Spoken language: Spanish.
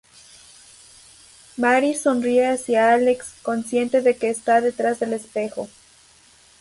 Marie sonríe hacia a Alex, consciente de que está detrás del espejo.